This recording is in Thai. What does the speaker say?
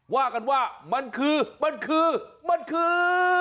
ว่ากันว่ามันคือมันคือมันคือ